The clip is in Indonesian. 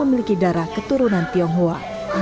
memiliki darah keturunan tionghoa